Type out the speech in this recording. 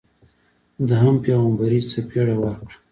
ده هم پیغمبري څپېړه ورکړه.